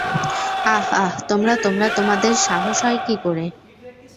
আহ-আহ, তোমরা, তোমরা, তোমাদের সাহস হয় কী করে?